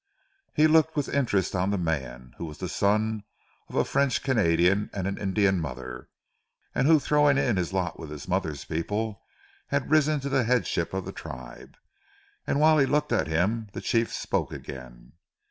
He looked with interest on the man, who was the son of a French Canadian and an Indian mother, and who throwing in his lot with his mother's people had risen to the headship of the tribe. And whilst he looked at him the Chief spoke again.